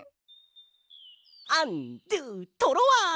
アンドゥトロワ！